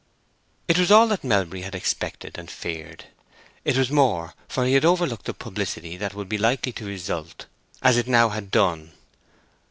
It was all that Melbury had expected and feared. It was more, for he had overlooked the publicity that would be likely to result, as it now had done.